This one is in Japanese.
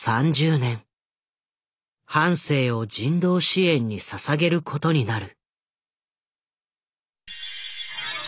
半生を人道支援にささげることになる。